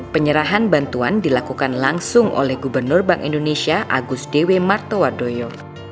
penyerahan bantuan dilakukan langsung oleh gubernur bank indonesia agus dewi martowadoyo